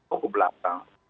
oh ke belakang